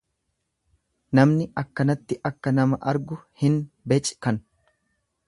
Namni akkanitti akka nama argu hin beckan.